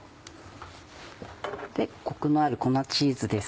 コクのある粉チーズです。